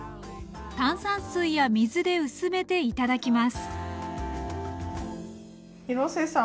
炭酸水や水で薄めて頂きます廣瀬さん